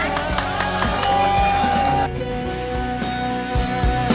สวัสดีค่ะ